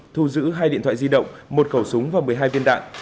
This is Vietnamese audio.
thu giữ hai điện thoại di động một khẩu súng và một mươi hai viên đạn